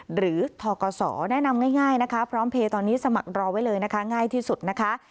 หรือทกศแนะนำง่ายนะคะพร้อมเพลย์ตอนนี้สมัครรอไว้เลยนะคะง่ายที่สุดนะคะ